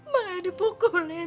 mak e dipukulin